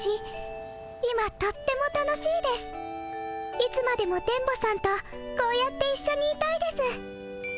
いつまでも電ボさんとこうやっていっしょにいたいです。